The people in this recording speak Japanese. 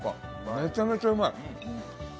めちゃめちゃうまい。